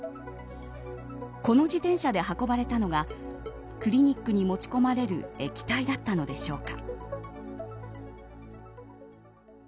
この自転車で運ばれたのがクリニックに持ち込まれる液体だったのでしょうか。